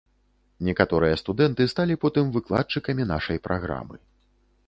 Некаторыя студэнты сталі потым выкладчыкамі нашай праграмы.